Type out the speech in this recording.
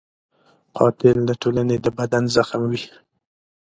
قاتل د ټولنې د بدن زخم وي